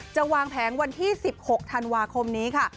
วางแผงวันที่๑๖ธันวาคมนี้ค่ะ